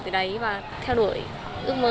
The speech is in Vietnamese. từ đấy và theo đuổi ước mơ